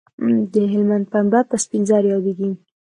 د هلمند پنبه په سپین زر یادیږي